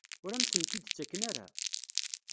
Ur am-tent-id-ttaken ara?